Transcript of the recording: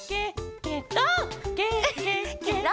「ケケケケロ！」